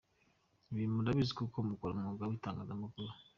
Ibi murabizi kuko mukora umwuga w’itangazamakuru.